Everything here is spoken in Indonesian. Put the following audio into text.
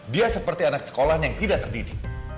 dia seperti anak sekolah yang tidak terdidik